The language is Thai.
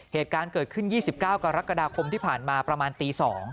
เหตุการณ์เกิดขึ้น๒๙กรกฎาคมที่ผ่านมาประมาณตี๒